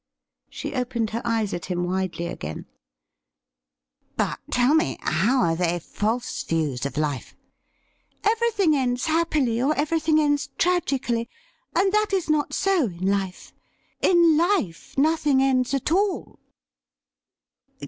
She opened her eyes at him widely again. ' But tell me : how are they false views of life ?' Everything ends happily or everything ends tragically, and that is not so in life. In life nothing ends at all.'